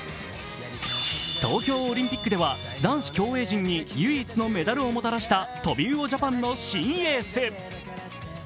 東京オリンピックでは男子競泳陣に唯一のメダルをもたらしたトビウオジャパンの新エース。